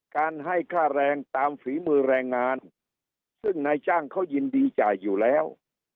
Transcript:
การให้ค่าแรงตามฝีมือแรงงานซึ่งนายจ้างเขายินดีจ่ายอยู่แล้ว